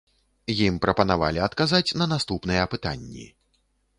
Ім прапанавалі адказаць на наступныя пытанні.